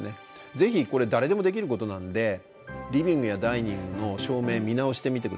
ぜひこれ誰でもできることなんでリビングやダイニングの照明見直してみて下さい。